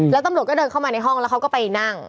แล้วตำรวจก็เดินเข้ามาในห้องแล้วเขาก็ไปนั่ง